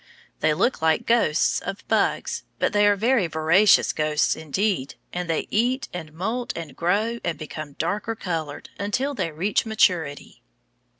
They look like ghosts of bugs, but they are very voracious ghosts indeed, and they eat and moult and grow and become darker colored until they reach maturity.